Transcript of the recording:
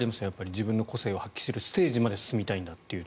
自分の個性を発揮するステージまで進みたいんだという。